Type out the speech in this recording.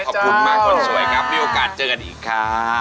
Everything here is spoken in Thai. ขอบคุณมากคนสวยครับมีโอกาสเจอกันอีกค่ะ